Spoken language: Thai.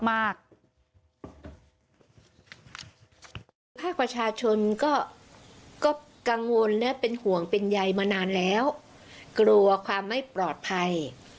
ภาคประชาชนก็กังวลและเป็นห่วงเป็นใยมานานแล้วกลัวความไม่ปลอดภัย